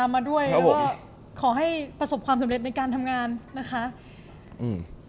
มาด้วยแล้วก็ขอให้ประสบความสำเร็จในการทำงานนะคะอืม